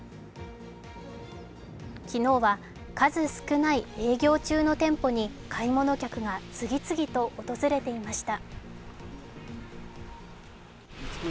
昨日は数少ない営業中の店舗に買い物客が次々と訪れていました。